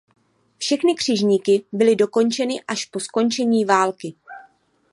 Všechny křižníky byly dokončeny až po skončení války.